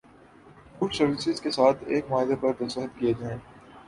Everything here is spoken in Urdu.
فوڈ سروسز کے ساتھ ایک معاہدے پر دستخط کیے ہیں